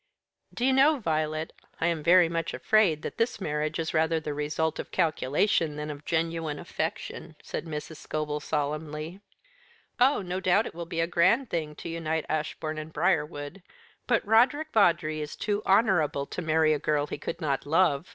"Do you know, Violet, I am very much afraid that this marriage is rather the result of calculation than of genuine affection?" said Mrs. Scobel solemnly. "Oh, no doubt it will be a grand thing to unite Ashbourne and Briarwood, but Roderick Vawdrey is too honourable to marry a girl he could not love.